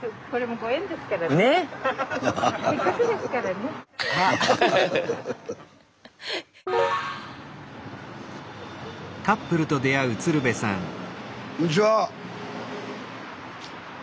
こんにちは。